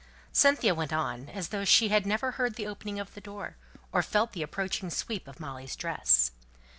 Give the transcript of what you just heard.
Cynthia went on as though she had never heard the opening of the door, or felt the approaching sweep of Molly's dress.